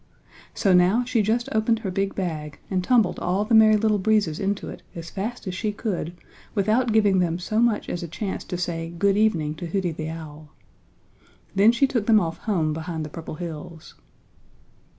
So now she just opened her big bag and tumbled all the Merry Little Breezes into it as fast as she could without giving them so much as a chance to say "Good evening" to Hooty the Owl. Then she took them off home behind the Purple Hills.